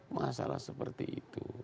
masalah seperti itu